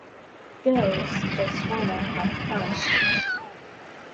Girls Just Wanna Have Fun!